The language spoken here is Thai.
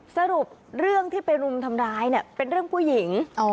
สรุปเรื่องที่ไปรุมทำร้ายเนี่ยเป็นเรื่องผู้หญิง